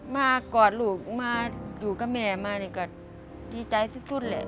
กอดลูกมาอยู่กับแม่มานี่ก็ดีใจสุดแหละ